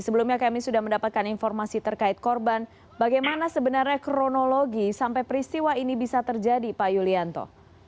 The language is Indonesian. sebelumnya kami sudah mendapatkan informasi terkait korban bagaimana sebenarnya kronologi sampai peristiwa ini bisa terjadi pak yulianto